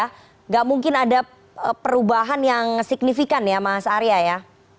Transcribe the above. tidak mungkin ada perubahan yang signifikan ya mas arya ya